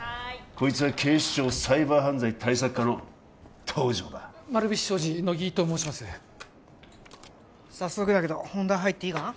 こいつは警視庁サイバー犯罪対策課の東条だ丸菱商事乃木と申します早速だけど本題入っていいかな？